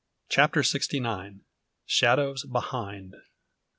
CHAPTER SIXTY NINE. SHADOWS BEHIND.